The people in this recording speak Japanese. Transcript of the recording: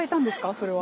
それは。